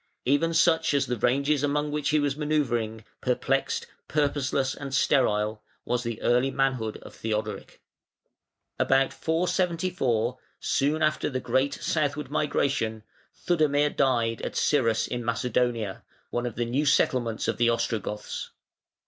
Even such as the ranges among which he was manœuvring perplexed, purposeless, and sterile was the early manhood of Theodoric. About 474, soon after the great Southward migration, Theudemir died at Cyrrhus in Macedonia, one of the new settlements of the Ostrogoths.